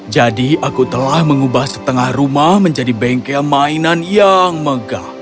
jadi aku telah mengubah setengah rumah menjadi bengkel mainan yang megah